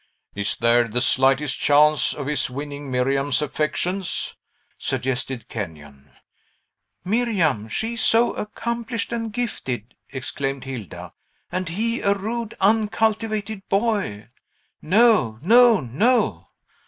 "Is there the slightest chance of his winning Miriam's affections?" suggested Kenyon. "Miriam! she, so accomplished and gifted!" exclaimed Hilda; "and he, a rude, uncultivated boy! No, no, no!"